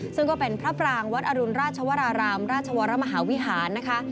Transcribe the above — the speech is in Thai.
ซึ่งก็เป็นพระปรางวัดอรุณราชวรารามราชวรมหาวิหารนะคะ